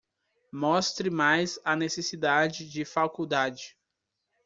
Mostre mais a necessidade de faculdade.